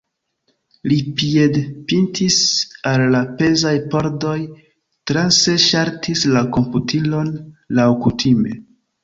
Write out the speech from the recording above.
Li piedpintis al la pezaj pordoj, transe ŝaltis la komputilon laŭkutime.